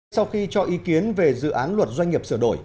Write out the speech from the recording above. sau khi cho ý kiến về dự án luật doanh nghiệp sửa đổi